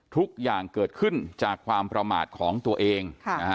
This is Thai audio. ทุกอย่างเกิดขึ้นจากความประมาทของตัวเอง